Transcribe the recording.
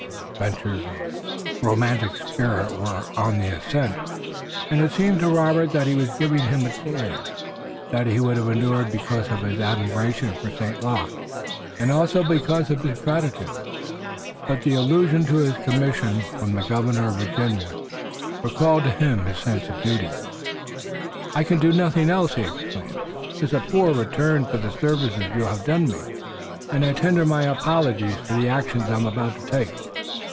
His adventures and romantic spirit was in the ascendant, and it seemed to Robert that he was giving him a dare. That he would have endured because of his admiration for St. Luc, and also because of his gratitude, but the allusion to his commission from the governor of Virginia recalled him to his sense of duty. "I can do nothing else!" he exclaimed. "'Tis a poor return for the services you have done me, and I tender my apologies for the action I'm about to take.